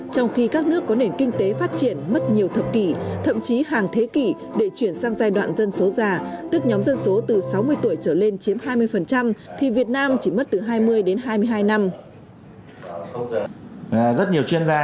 trong khi các nước có nền kinh tế phát triển mất nhiều thập kỷ thậm chí hàng thế kỷ để chuyển sang giai đoạn dân số già